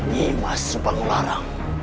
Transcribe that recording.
dinda subang lara